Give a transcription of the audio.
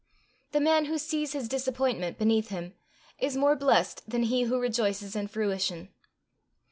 The man who sees his disappointment beneath him, is more blessed than he who rejoices in fruition.